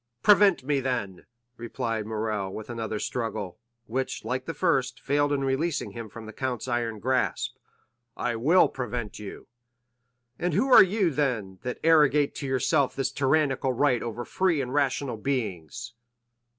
"Prevent me, then!" replied Morrel, with another struggle, which, like the first, failed in releasing him from the count's iron grasp. "I will prevent you." 50127m "And who are you, then, that arrogate to yourself this tyrannical right over free and rational beings?"